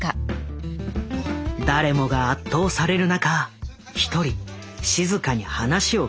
誰もが圧倒される中一人静かに話を聞く男がいた。